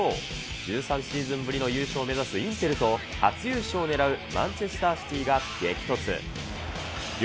１３シーズンぶりの優勝をこうして目指すインテルと、初優勝を狙うマンチェスター・シティが激突。